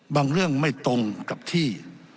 เรื่องไม่ตรงกับที่